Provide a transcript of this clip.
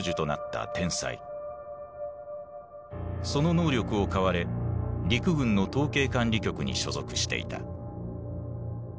その能力を買われ陸軍の統計管理局に所属していた。